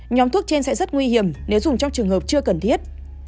nhóm thuốc trên sẽ rất nguy hiểm nếu dùng trong trường hợp chưa cần thiết